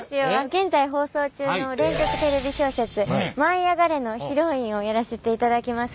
現在放送中の連続テレビ小説「舞いあがれ！」のヒロインをやらせていただきます